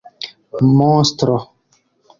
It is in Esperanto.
monstro